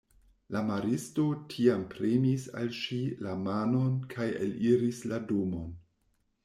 La maristo tiam premis al ŝi la manon kaj eliris la domon.